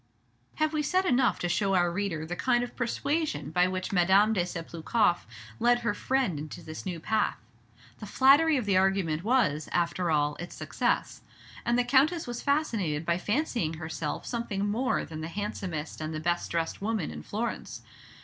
Have we said enough to show our reader the kind of persuasion by which Madame de Sabloukoff led her friend into this new path? The flattery of the argument was, after all, its success; and the Countess was fascinated by fancying herself something more than the handsomest and the best dressed woman in Florence.